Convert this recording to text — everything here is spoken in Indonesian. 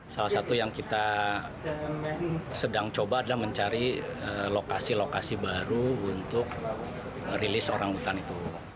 salah satu yang kita sedang coba adalah mencari lokasi lokasi baru untuk rilis orang hutan itu